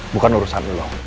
bukan urusan lo